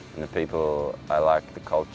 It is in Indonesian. dan orang orang saya suka dengan budaya